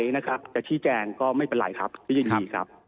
เป็นการปฏิมันจำใจแต่ที่แจงก็ไม่เป็นไรครับฉันยินดีครับ